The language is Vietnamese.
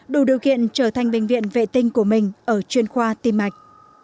đủ điều kiện trở thành bệnh viện vệ tinh của mình ở chuyên khoa tim mạch